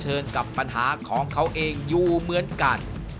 กับปัญหาของเขาเองอยู่เหมือนกัน